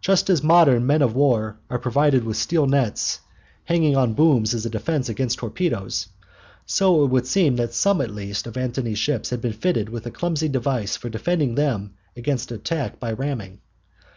Just as modern men of war are provided with steel nets hanging on booms as a defence against torpedoes, so it would seem that some at least of Antony's ships had been fitted with a clumsy device for defending them against attack by ramming.